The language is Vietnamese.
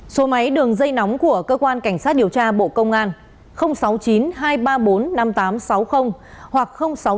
số máy đường dây nóng của cơ quan cảnh sát điều tra bộ công an sáu mươi chín hai trăm ba mươi bốn năm nghìn tám trăm sáu mươi hoặc sáu mươi chín hai trăm ba mươi một một nghìn sáu trăm